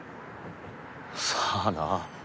さあな。